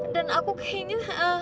dan aku kayaknya